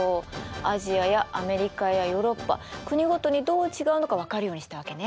アジアやアメリカやヨーロッパ国ごとにどう違うのか分かるようにしたわけね。